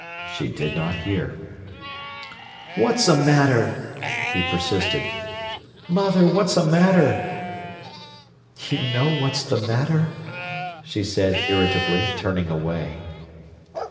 She did not hear. "What's a matter?" he persisted. "Mother, what's a matter?" "You know what's the matter," she said irritably, turning away.